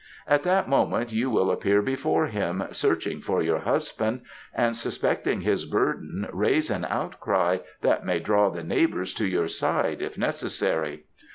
At that moment you will appear before him, searching for your husband, and suspecting his burden raise an outcry that may draw the neighbours to your side if necessary.